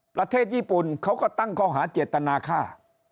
ประเทศญี่ปุ่นเขาก็ตั้งข้อหาเจตนาฆ่า